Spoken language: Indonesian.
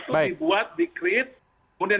dibuat di create kemudian